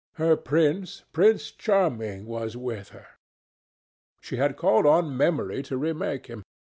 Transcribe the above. Her prince, Prince Charming, was with her. She had called on memory to remake him.